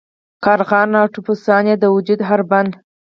کارغان او ټپوسان یې د وجود هر بند.